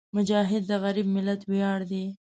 مجاهد د غریب ملت ویاړ وي.